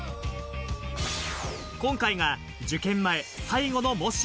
今回が受験前、最後の模試。